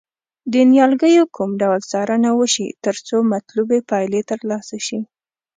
د نیالګیو کوم ډول څارنه وشي ترڅو مطلوبې پایلې ترلاسه شي.